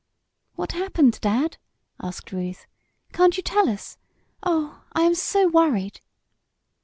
"What happened, Dad?" asked Ruth. "Can't you tell us? Oh, I am so worried!"